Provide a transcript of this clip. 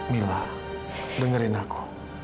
mila dengerin aku